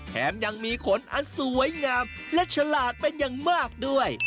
แถมยังมีขนอันสวยงามและฉลาดเป็นอย่างมากด้วย